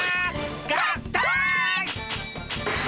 合体！